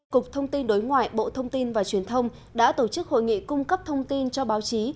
cục thông tin đối ngoại bộ thông tin và truyền thông đã tổ chức hội nghị cung cấp thông tin cho báo chí